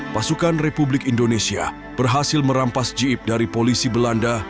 pasukan republik indonesia berhasil merampas jib dari polisi belanda